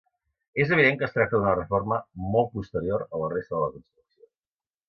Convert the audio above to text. És evident que es tracta d'una reforma molt posterior a la resta de la construcció.